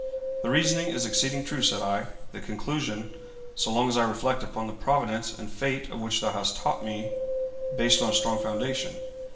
'The reasoning is exceeding true,' said I, 'the conclusion, so long as I reflect upon the providence and fate of which thou hast taught me, based on a strong foundation.